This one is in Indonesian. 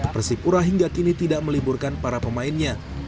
persipura hingga kini tidak meliburkan para pemainnya